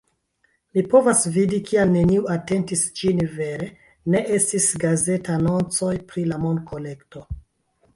Mi povas vidi kial neniu atentis ĝin vere, ne estis gazetanoncoj pri la monkolekto